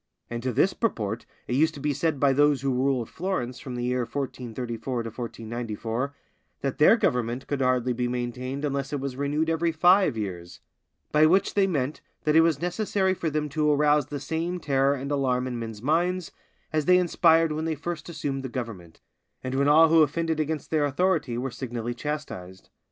And to this purport it used to be said by those who ruled Florence from the year 1434 to 1494, that their government could hardly be maintained unless it was renewed every five years; by which they meant that it was necessary for them to arouse the same terror and alarm in men's minds, as they inspired when they first assumed the government, and when all who offended against their authority were signally chastised.